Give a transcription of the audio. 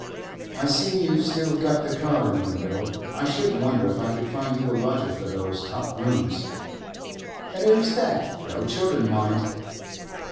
'I see you've still got the card in the window. I shouldn't wonder if I could find you a lodger for those top rooms.' 'And who's that? No children, mind.